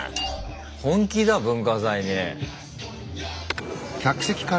本気だ文化祭に。